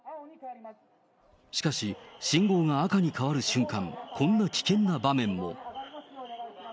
しかし、信号が赤に変わる瞬間、こんな危険な場面も。